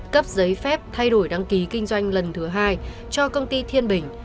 cấp giấy phép thay đổi đăng ký kinh doanh lần thứ hai cho công ty thiên bình